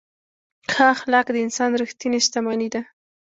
ښه اخلاق د انسان ریښتینې شتمني ده.